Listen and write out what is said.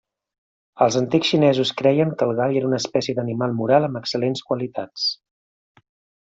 Els antics xinesos creien que el gall era una espècie d'animal moral amb excel·lents qualitats.